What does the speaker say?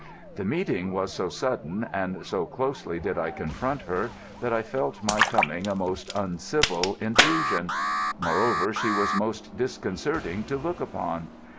The meeting was so sudden, and so closely did I confront her, that I felt my coming a most uncivil intrusion. Moreover, she was most disconcerting to look upon.